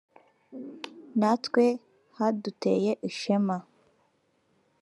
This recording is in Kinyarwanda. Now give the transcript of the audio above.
natwe haduteye ishema